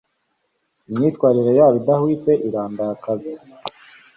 imyitwarire yabo idahwitse irandakaza